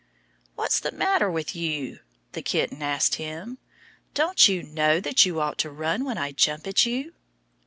"What's the matter with you?" the kitten asked him. "Don't you know that you ought to run when I jump at you?"